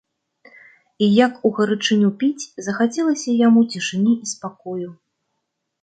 І, як у гарачыню піць, захацелася яму цішыні і спакою.